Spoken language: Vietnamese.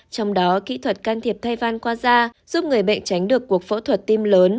trong đó kỹ thuật can thiệp thay van qua da giúp người bệnh tránh được cuộc phẫu thuật tim lớn